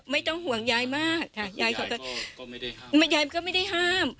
ไม่ต้องห่วงยายมากยายก็ไม่ได้ห้าม